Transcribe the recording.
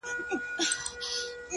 • باران به اوري څوک به ځای نه درکوینه,